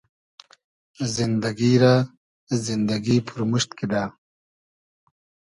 زیندئگی رۂ زیندئگی پورمورشت کیدۂ